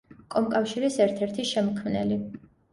კომკავშირის ერთ-ერთი შემქმნელი.